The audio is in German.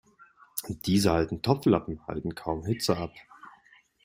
Diese alten Topflappen halten kaum Hitze ab.